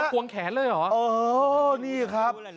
ควงแขนเลยเหรอเออนี่ครับ